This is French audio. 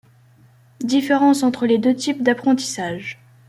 Différence entre les deux types d'apprentissage.